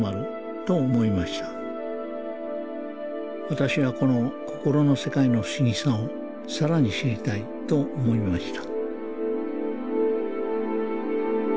私はこの心の世界の不思議さを更に知りたいと思いました